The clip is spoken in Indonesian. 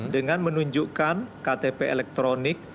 dengan menunjukkan ktp elektronik